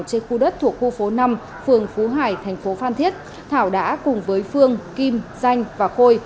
trên khu đất thuộc khu phố năm phường phú hải thành phố phan thiết thảo đã cùng với phương kim danh và khôi